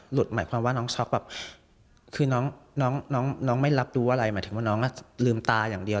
หมายความว่าน้องช็อกแบบคือน้องไม่รับรู้อะไรหมายถึงว่าน้องลืมตาอย่างเดียว